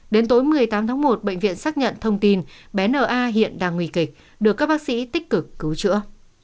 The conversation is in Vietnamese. đến tối một mươi tám tháng một bệnh viện xác nhận thông tin bé hiện đang nguy kịch được các bác sĩ tích cực cứu chữa